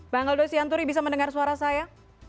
bang aldo sianturi bisa mendengar suara saya